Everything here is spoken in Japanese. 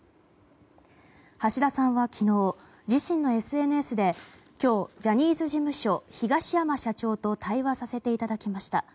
橋田さんは昨日、自身のＳＮＳで今日、ジャニーズ事務所東山社長と対話させていただきました。